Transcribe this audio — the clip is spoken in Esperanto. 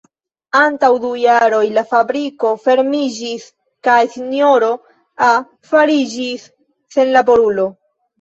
Antaŭ du jaroj la fabriko fermiĝis kaj sinjoro A fariĝis senlaborulo.